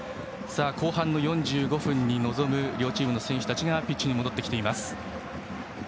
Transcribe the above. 後半の４５分に臨む両チームの選手たちがピッチに戻ってきています。